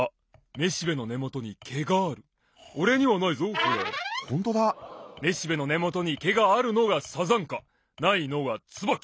めしべのねもとにけがあるのがサザンカ！ないのがツバキ！